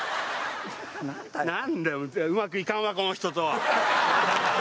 なんだようまくいかんわこの人と。